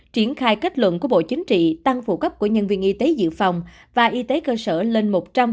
triển khai kết luận của bộ chính trị tăng phụ cấp của nhân viên y tế dự phòng và y tế cơ sở lên một trăm ba mươi